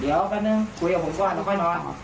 เดี๋ยวแป๊บนึงคุยกับผมก่อนเดี๋ยวค่อยนอน